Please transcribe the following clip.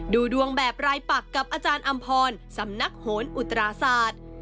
ดูดวงแบบรายปักกับอาจารย์อำพรสำนักโหนอุตราศาสตร์